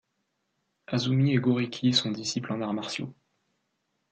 Azumi et Gôriki sont disciples en arts martiaux.